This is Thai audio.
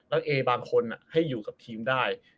แล้วเอบางคนให้อยู่กับทีมได้